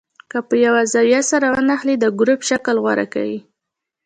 که په یوه زاویه سره ونښلي د ګروپ شکل غوره کوي.